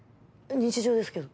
日常ですけど。